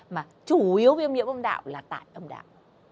mà chủ yếu viêm nhiễm âm đạo là tại âm đạo